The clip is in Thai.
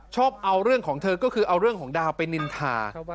ชอบเอาเรื่องของเธอก็คือเอาเรื่องของดาวไปนินทา